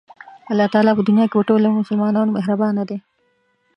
الله تعالی په دنیا کې په ټولو انسانانو مهربانه دی.